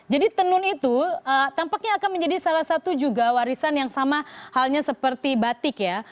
jadi tenun itu tampaknya akan menjadi salah satu juga warisan yang sama halnya seperti batik ya